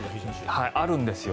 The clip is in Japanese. あるんですよ。